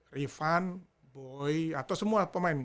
rifan boy atau semua pemain